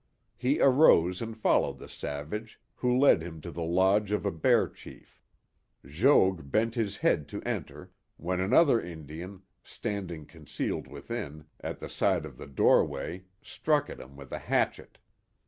He arose and followed the savage, who led him to the lodge of a bear chief. Jogues bent his head to enter, when another Indian, standing concealed within, at the side of the doorway, struck at him with a hatchet.